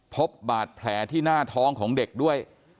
พบบาดแผลที่หน้าท้องของเด็กด้วย